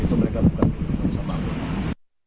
itu mereka bukan berpikirkan sama anggota